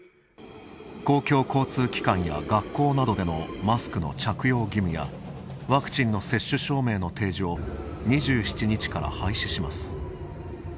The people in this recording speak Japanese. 公共交通機関や学校などでのマスク着用義務やワクチンの接種証明の提示を２７日から廃止します。